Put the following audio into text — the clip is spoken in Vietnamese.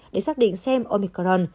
để xác định xem omicron